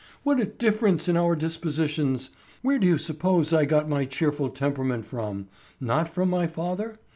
What a difference in our dispositions! Where do you suppose I got my cheerful temperament from? Not from my father?"